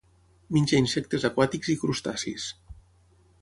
Menja insectes aquàtics i crustacis.